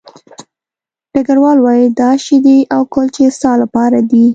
ډګروال وویل دا شیدې او کلچې ستا لپاره دي